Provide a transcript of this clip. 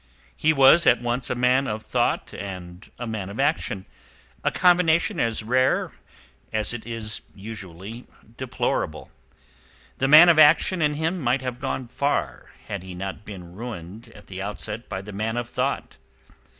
He was at once a man of thought and a man of action—a combination as rare as it is usually deplorable. The man of action in him might have gone far had he not been ruined at the outset by the man of thought.